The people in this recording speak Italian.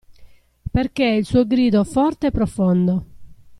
Perché il suo grido forte e profondo.